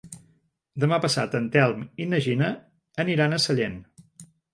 Demà passat en Telm i na Gina aniran a Sellent.